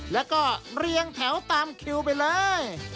แล้วก็เรียงแถวตามคิวไปเลย